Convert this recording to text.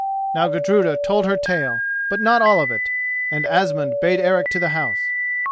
Now Gudruda told her tale, but not all of it, and Asmund bade Eric to the house.